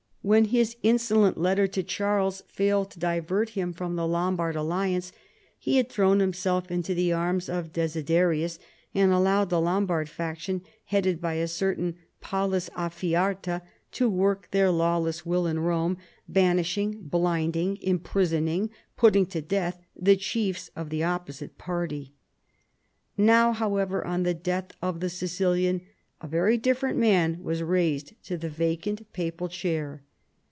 When his insolent letter to Charles failed to divert him from the Lombard alliance, he had thrown himself into the arms of Desiderius, and allowed the Lombard faction, headed by a certain Paulas Afiarta, to work their lawless will in Rome, banishing, blinding, im prisoning, putting to death the chiefs of the opposite party. Now, however, on the death of the Sicilian, a very diflferent man was raised to the vacant papal chair.